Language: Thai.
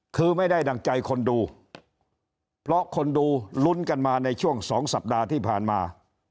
คือไม่ได้ดั่งใจคนดูเพราะคนดูลุ้นกันมาในช่วงสองสัปดาห์ที่ผ่านมา